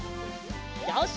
よし。